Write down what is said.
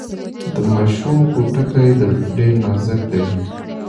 د ماشوم پوټکی ډیر نازک دی۔